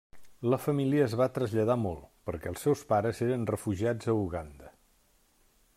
La família es va traslladar molt, perquè els seus pares eren refugiats a Uganda.